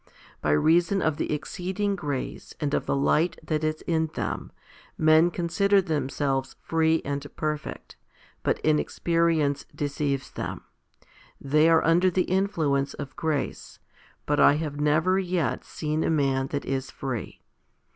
By reason of 1 Eph. ii. 14. 68 FIFTY SPIRITUAL HOMILIES the exceeding grace and of the light that is in them, men consider themselves free and perfect ; but inexperience de ceives them. They are under the influence of grace, but I have never yet seen a man that is free.